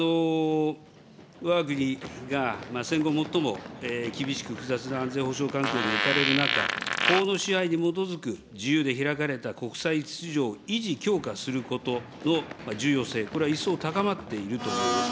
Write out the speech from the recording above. わが国が戦後最も厳しく複雑な安全保障環境に置かれる中、法の支配に基づく自由で開かれた国際秩序を維持、強化することの重要性、これは一層高まっていると思います。